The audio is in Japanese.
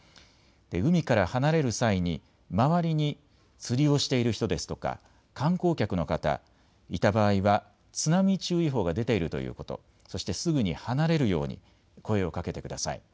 海から離れる際に周りに釣りをしている人ですとか観光客の方がいた場合は津波注意報が出ているということ、そしてすぐに離れるように声をかけてください。